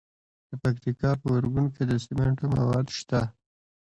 د پکتیکا په ارګون کې د سمنټو مواد شته.